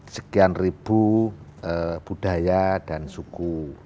sekian ribu budaya dan suku